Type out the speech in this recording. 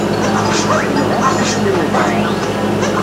Tenɣa-t tikli uḍar.